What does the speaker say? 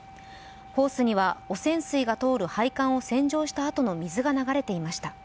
ホースには汚染水が通る配管を洗浄したあとの水が流れていました。